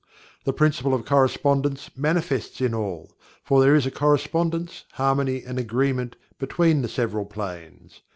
The Principle of Correspondence manifests in all, for there is a correspondence, harmony and agreement between the several planes.